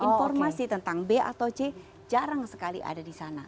informasi tentang b atau c jarang sekali ada di sana